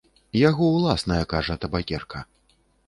Яго ўласная, кажа, табакерка!